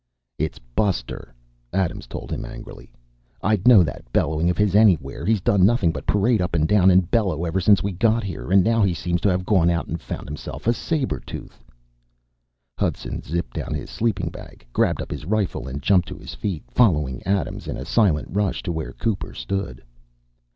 "It's Buster," Adams told him angrily. "I'd know that bellowing of his anywhere. He's done nothing but parade up and down and bellow ever since we got here. And now he seems to have gone out and found himself a saber tooth." Hudson zipped down his sleeping bag, grabbed up his rifle and jumped to his feet, following Adams in a silent rush to where Cooper stood.